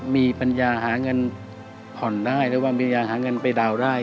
มีปัญญาหาเงินผ่อนได้หรือว่ามียาหาเงินไปดาวน์ได้